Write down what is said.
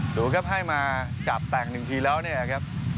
ดูครับให้มาจับแต่งหนึ่งทีแล้วเนี่ยครับ